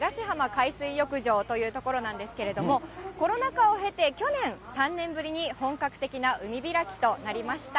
海水浴場という所なんですけれども、コロナ禍を経て、去年、３年ぶりに本格的な海開きとなりました。